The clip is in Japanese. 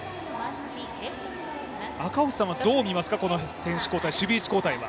赤星さんはどうみますか、この守備位置交代は？